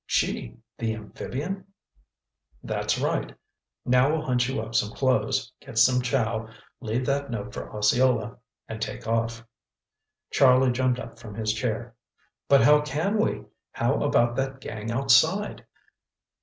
"Gee! The amphibian!" "That's right. Now we'll hunt you up some clothes, get some chow, leave that note for Osceola—and take off." Charlie jumped up from his chair. "But how can we? How about that gang outside?"